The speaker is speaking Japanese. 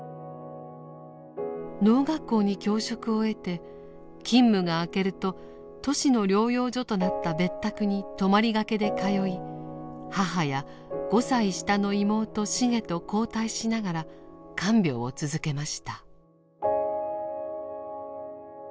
農学校に教職を得て勤務があけるとトシの療養所となった別宅に泊まりがけで通い母や５歳下の妹シゲと交代しながら看病を続けました。